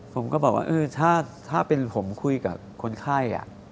ผมก็บอกว่าเออถ้าเป็นผมคุยกับคนไข้